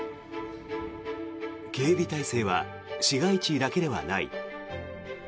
警備体制は市街地だけではない。